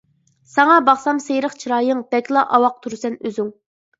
ساڭا باقسام سېرىق چىرايىڭ، بەكلا ئاۋاق تۇرىسەن ئۆزۈڭ.